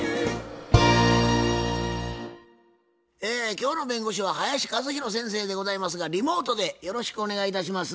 今日の弁護士は林一弘先生でございますがリモートでよろしくお願いいたします。